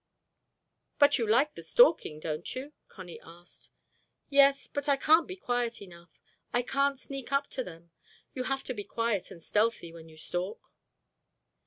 "But you like the stalking, don't you?" Connie asked. "Yes, but I can't be quiet enough—I can't sneak up to them. You have to be quiet and stealthy when you stalk."